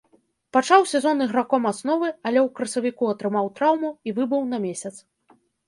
Пачаў сезон іграком асновы, але ў красавіку атрымаў траўму і выбыў на месяц.